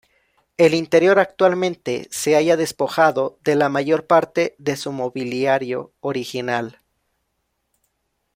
El interior actualmente se halla despojado de la mayor parte de su mobiliario original.